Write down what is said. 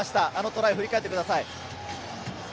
トライを振り返ってください。